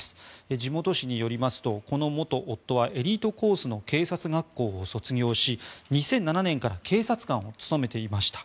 地元紙によりますとこの元夫はエリートコースの警察学校を卒業し２００７年から警察官を務めていました。